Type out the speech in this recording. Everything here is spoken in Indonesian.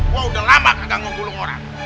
gua udah lama kagak ngunggulung orang